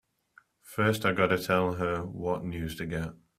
First I gotta tell her what news to get!